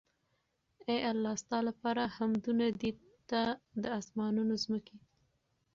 اې الله ! ستا لپاره حمدونه دي ته د آسمانونو، ځمکي